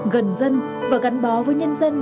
gần dân và gắn bó với nhân dân